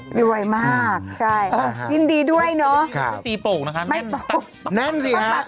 คุณตารวยค่ะรวยมากใช่ยินดีด้วยเนอะไม่ตีโป่งนะคะแน่นตัก